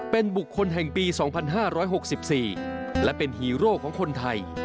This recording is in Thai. เป็นบุคคลแห่งปี๒๕๖๔และเป็นฮีโร่ของคนไทย